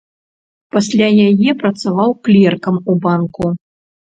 Пасля яе працаваў клеркам у банку.